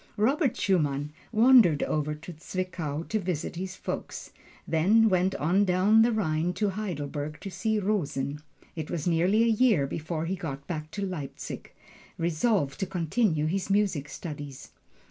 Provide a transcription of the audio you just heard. Robert Schumann wandered over to Zwickau to visit his folks, then went on down the Rhine to Heidelberg to see Rosen. It was nearly a year before he got back to Leipzig, resolved to continue his music studies.